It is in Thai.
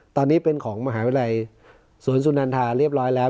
ตอนนี้เป็นของมหาวิทยาลัยสวนสุนันทาเรียบร้อยแล้ว